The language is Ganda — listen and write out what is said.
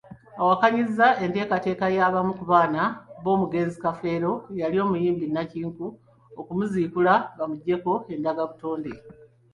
Awakanyizza enteekateeka y'abamu ku baana b'omugenzi Kafeero eyali omuyimbi nnakinku, ey'okumuziikula bamuggyeko endagabutonde.